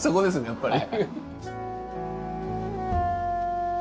やっぱり。